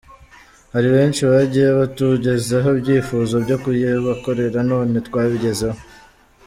Hari benshi bagiye batugezaho ibyifuzo byo kuyibakorera none twabigezeho.